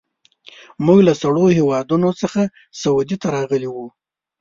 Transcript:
موږ له سړو هېوادونو څخه سعودي ته راغلي وو.